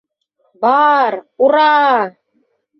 Ба-ар, ур-ра!